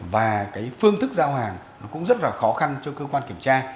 và cái phương thức giao hàng nó cũng rất là khó khăn cho cơ quan kiểm tra